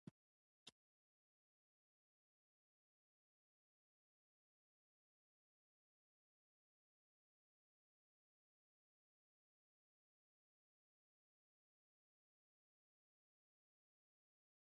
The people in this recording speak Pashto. فیوډالي مالکانو په بهرنیو توکو مالیه لګوله.